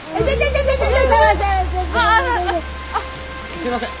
すいません。